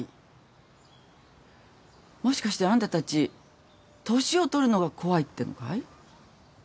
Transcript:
もしかしてあんたたち年を取るのが怖いってのかい？